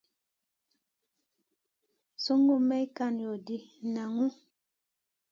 Sungu may kan loʼ ɗi, naŋu.